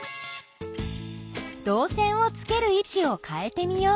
どう線をつけるいちをかえてみよう。